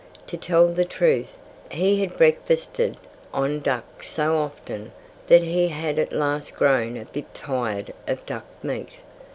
To tell the truth, he had breakfasted on duck so often that he had at last grown a bit tired of duck meat.